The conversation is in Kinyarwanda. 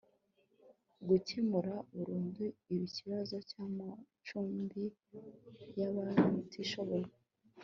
gukemura burundu ikibazo cy'amacumbi y'abatishoboye